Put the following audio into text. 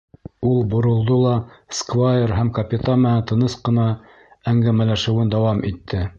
Ул боролдо ла сквайр һәм капитан менән тыныс ҡына әң-гәмәләшеүен дауам итте.